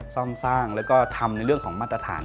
ซ่อมสร้างแล้วก็ทำในเรื่องของมาตรฐาน